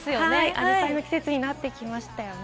アジサイの季節になってきましたね。